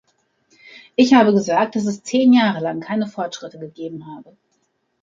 Ich habe gesagt, dass es zehn Jahre lang keine Fortschritte gegeben habe.